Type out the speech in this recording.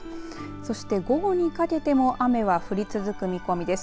そして午後にかけても雨は降り続く見込みです。